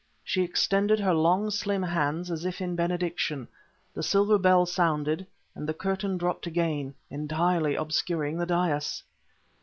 She extended her long, slim hands as if in benediction; the silver bell sounded ... and the curtain dropped again, entirely obscuring the dais!